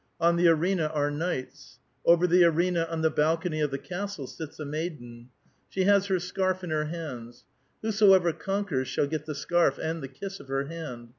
On the arena are knights. Over the arena, on the balcony of the castle, sits a maiden. She has her scarf in her hands. Whosoever conquers shall get the scarf and the kiss of her hand.